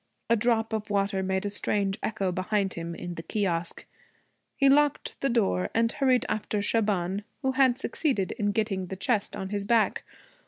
A drop of water made a strange echo behind him in the kiosque. He locked the door and hurried after Shaban, who had succeeded in getting the chest on his back.